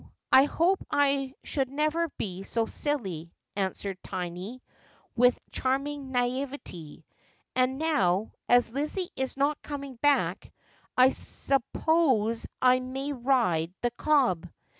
' No, I hope I should never be so silly,' answered Tiny, with charming ndivet'e ; 'and now, as Lizzie is not coming back, I suppose I may ride the cob.